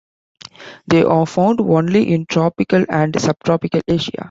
They are found only in tropical and subtropical Asia.